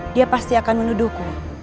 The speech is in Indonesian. dia pasti akan menuduhku